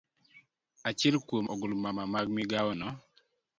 Achiel kuom ogulmama mag migawono